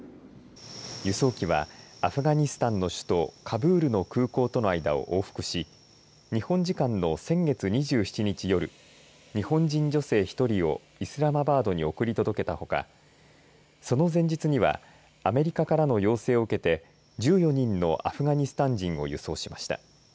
輸送機は、アフガニスタンの首都カブールの空港との間を往復し日本時間の先月２７日夜日本人女性１人をイスラマバードに送り届けたほかその前日にはアメリカからの要請を受けて１４人のアフガニスタン人を輸送しました。